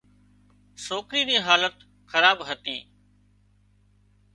سوڪري نِي حالت خراب هتي